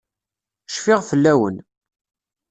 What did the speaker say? Cfiɣ fell-awen.